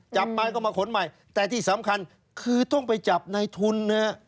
จับไปก็มาขนใหม่แต่ที่สำคัญคือต้องไปจับในทุนนะฮะ